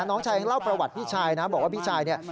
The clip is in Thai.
น้องชายเล่าประวัติพี่ชายนะบอกว่าพี่ชายเนี่ย